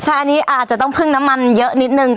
ใช่อันนี้อาจจะต้องพึ่งน้ำมันเยอะนิดนึง